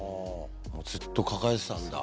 ずっと抱えてたんだ。